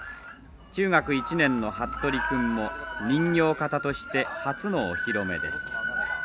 中学１年の服部君も人形方として初のお披露目です。